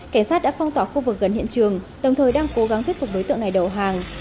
cảnh sát đã phong tỏa khu vực gần hiện trường đồng thời đang cố gắng thuyết phục đối tượng này đầu hàng